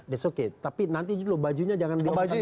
that's okay tapi nanti dulu bajunya jangan diomongkan dulu